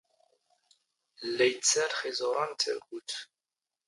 ⵍⵍⴰ ⵉⵜⵜⵙⴰⵍ ⵅ ⵉⵥⵓⵔⴰⵏ ⵏ ⵜⴰⴳⵓⵜ